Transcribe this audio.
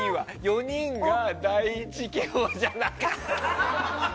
４人が第１希望じゃなかった。